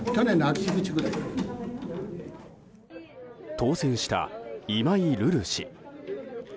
当選した今井瑠々氏。